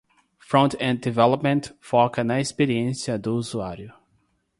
Front-end Development foca na experiência do usuário.